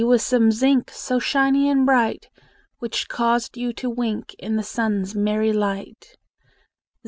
Z was some zinc, So shiny and bright, Which caused you to wink In the sun's merry light.